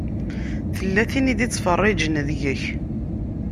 Tella tin i d-ittfeṛṛiǧen deg-k.